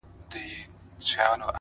o كله وي خپه اكثر ـ